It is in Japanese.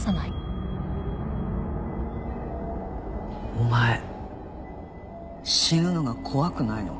お前死ぬのが怖くないのか？